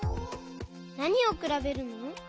なにをくらべるの？